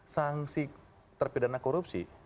sangsi terpedana korupsi